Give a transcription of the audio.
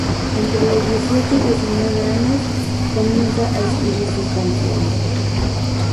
Entre los dieciocho y diecinueve años, comienza a escribir sus canciones.